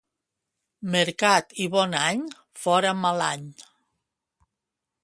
Mercat i bon any, fora mal any!